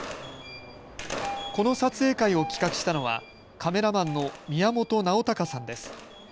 この撮影会を企画したのはカメラマンの宮本直孝さんです。